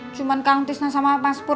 cuman kang tisna sama mas pur aja kok penting